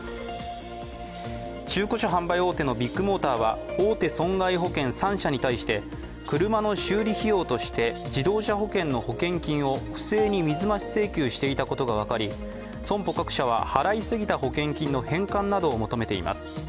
中古車販売大手のビッグモーターは大手損害保険３社に対して車の修理費用として自動車保険の保険金を不正に水増し請求していたことが分かり、損保各社は払いすぎた保険金の返還など良求めています。